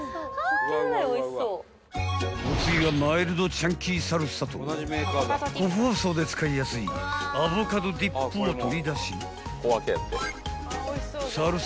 ［お次はマイルドチャンキーサルサと個包装で使いやすいアボカドディップを取り出し］